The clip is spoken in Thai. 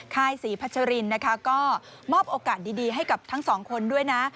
ค่ายศรีพัชรินนะคะก็มอบโอกาสดีให้กับทั้งสองคนด้วยนะ